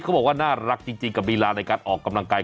เขาบอกว่าน่ารักจริงกับลีลาในการออกกำลังกาย